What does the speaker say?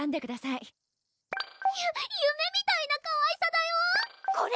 いゆ夢みたいなかわいさだよこれ！